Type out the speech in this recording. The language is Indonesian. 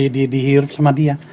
di dihirup sama dia